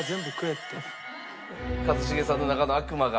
一茂さんの中の悪魔が。